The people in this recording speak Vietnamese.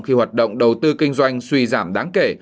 khi hoạt động đầu tư kinh doanh suy giảm đáng kể